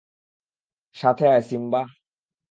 সাথে আয়, সিম্বা!